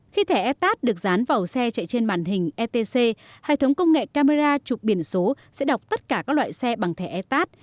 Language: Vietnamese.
khi thẻ etat được dán vào xe chạy trên màn hình etc hệ thống công nghệ camera chụp biển số sẽ đọc tất cả các loại xe bằng thẻ etat